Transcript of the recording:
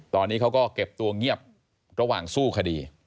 ตอนนี้เขาก็เก็บตัวเงียบระหว่างสู้คดี